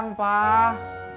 ntar aja bang